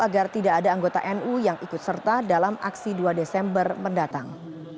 agar tidak ada anggota nu yang ikut serta dalam aksi dua desember mendatang